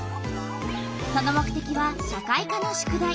その目てきは社会科の宿題。